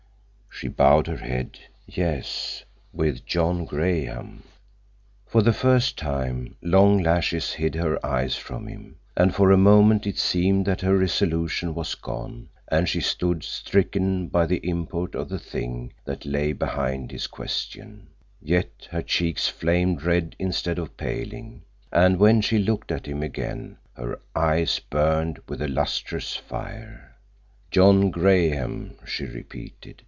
She bowed her head. "Yes, with John Graham." For the first time long lashes hid her eyes from him, and for a moment it seemed that her resolution was gone and she stood stricken by the import of the thing that lay behind his question; yet her cheeks flamed red instead of paling, and when she looked at him again, her eyes burned with a lustrous fire. "John Graham," she repeated.